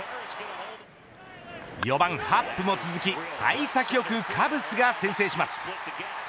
４番ハップも続き幸先良く、カブスが先制します。